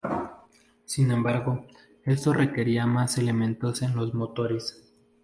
Sin embargo, esto requería más elementos en los motores.